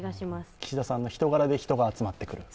岸田さんの人柄で人が集まってくる。